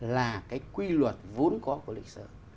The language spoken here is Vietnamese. là cái quy luật vốn có của lịch sử